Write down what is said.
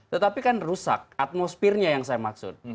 tetapi kan rusak atmosfernya yang saya maksud